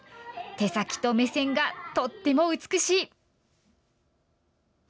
手先と目線が、とっても美しい！